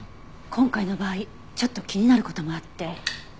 今回の場合ちょっと気になる事もあって。